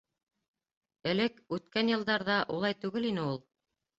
Элек, үткән йылдарҙа, улай түгел ине ул.